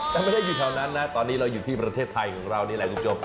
แต่ไม่ได้อยู่แถวนั้นนะตอนนี้เราอยู่ที่ประเทศไทยของเรานี่แหละคุณผู้ชม